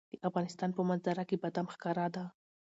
د افغانستان په منظره کې بادام ښکاره ده.